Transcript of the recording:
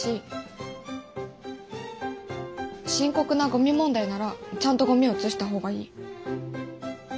深刻なゴミ問題ならちゃんとゴミを写した方がいい。